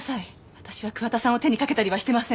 私は桑田さんを手にかけたりはしてません